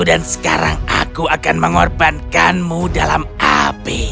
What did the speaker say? dan sekarang aku akan mengorbankanmu dalam api